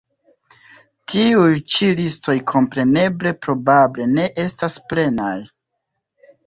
Tiuj ĉi listoj kompreneble probable ne estas plenaj.